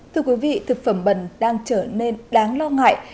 thực phẩm bẩn đang trở nên đáng lo ngại